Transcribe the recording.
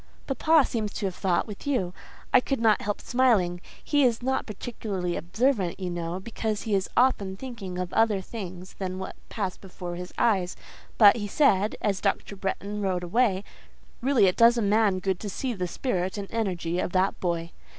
"Papa seems to have thought with you. I could not help smiling. He is not particularly observant, you know, because he is often thinking of other things than what pass before his eyes; but he said, as Dr. Bretton rode away, Really it does a man good to see the spirit and energy of that boy.